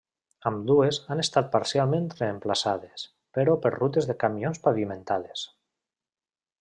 Ambdues han estat parcialment reemplaçades, però per rutes de camions pavimentades.